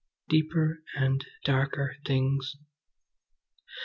Deeper and darker things!